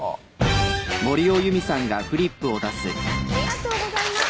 ありがとうございます。